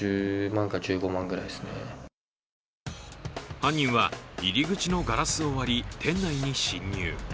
犯人は入り口のガラスを割り店内に侵入。